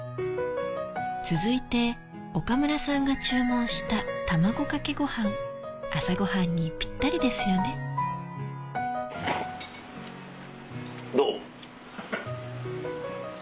続いて岡村さんが注文したたまごかけごはん朝ごはんにピッタリですよねどう？